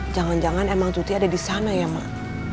jangan jangan emang cuti ada di sana ya mak